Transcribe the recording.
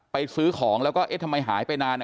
ซื้อของแล้วก็เอ๊ะทำไมหายไปนาน